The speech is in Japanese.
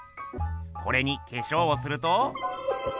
これに化粧をすると。